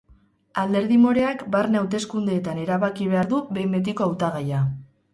Alderdi moreak barne hauteskundeetan erabaki behar du behin betiko hautagaia.